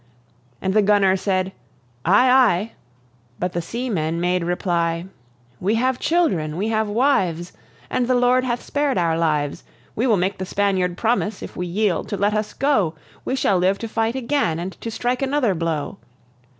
And the gunner said. "Ay, ay," but the seamen made reply: "We have children, we have wives, And the Lord hath spared our lives. We will make the Spaniard promise, if we yield, to let us go; We shall live to fight again, and to strike another blow."